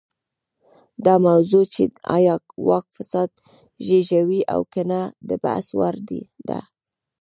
دا موضوع چې ایا واک فساد زېږوي او که نه د بحث وړ ده.